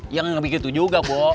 ya nggak nggak pikir itu juga bo